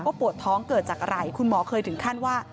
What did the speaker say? ปวดท้องเกิดจากอะไรคุณหมอเคยถึงขั้นว่า